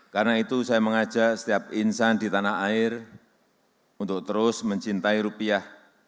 karena itu saya mengajak setiap insan di tanah air untuk terus mencintai rupiah